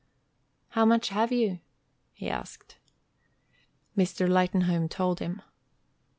"How much have you?" he asked. Mr. Lightenhome told him.